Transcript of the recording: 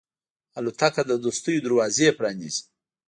الوتکه د دوستیو دروازې پرانیزي.